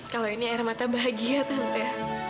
kalau ini air mata bahagia tante